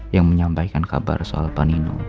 yang menyampaikan kabar soal panino